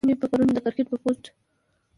اوس مې پۀ پروني د کرکټ پۀ پوسټ